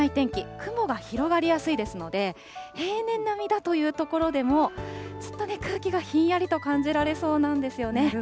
雲が広がりやすいですので、平年並みだという所でも、ずっと空気がひんやりと感じられそうなんですよね。